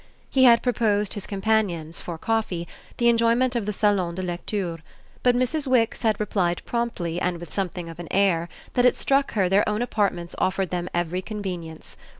He had proposed his companions, for coffee, the enjoyment of the salon de lecture, but Mrs. Wix had replied promptly and with something of an air that it struck her their own apartments offered them every convenience.